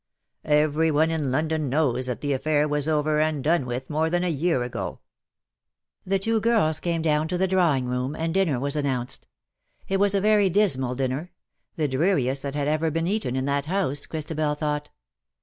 Every one in London knows that the LE SECRET DE POLICHINELLE. 251 affair was over and done with more than a year ago/' The two girls came down to the drawing room, and dinner was announced. It was a very dismal dinner — the dreariest that had ever been eaten in that house, Christabel thought.